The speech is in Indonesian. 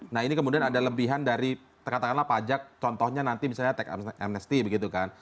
nah ini kemudian ada lebihan dari katakanlah pajak contohnya nanti misalnya tax amnesty begitu kan